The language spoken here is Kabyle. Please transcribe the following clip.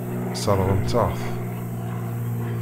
Sseṛɣent-aɣ-t.